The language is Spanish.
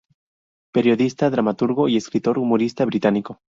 Periodista, dramaturgo y escritor humorista británico.